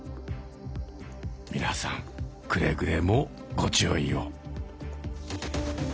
皆さんくれぐれもご注意を！